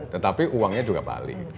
tetapi uangnya juga balik